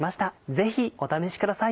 ぜひお試しください。